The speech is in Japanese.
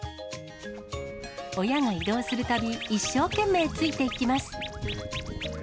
親が移動するたび、一生懸命ついていきます。